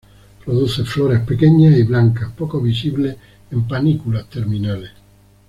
Produce flores pequeñas y blancas poco visibles en panículas terminales.